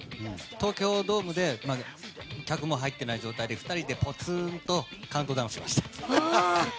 東京ドームで客も入ってない状態で２人でポツンとカウントダウンしました。